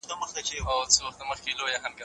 فارابي د ټولنيز عدالت غوښتونکی و.